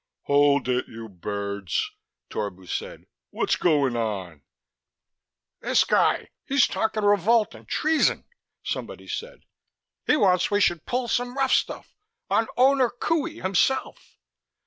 "Hold it, you birds," Torbu said. "What's goin' on?" "This guy! He's talkin' revolt and treason," somebody said. "He wants we should pull some rough stuff on Owner Qohey hisself."